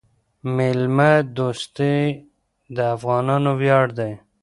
میلمه دوستي د افغانانو ویاړ دی.